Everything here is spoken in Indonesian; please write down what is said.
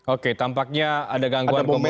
oke tampaknya ada gangguan komunikasi